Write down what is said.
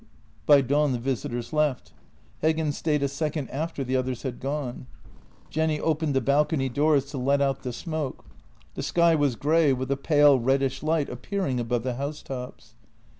By dawn the visitors left. Heggen stayed a second after the others had gone. Jenny opened the balcony doors to let out the smoke. The sky was grey, with a pale, reddish light ap pearing above the housetops.